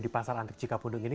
di pasar antrik cikapundung ini